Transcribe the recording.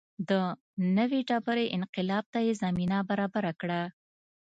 د نوې ډبرې انقلاب ته یې زمینه برابره کړه.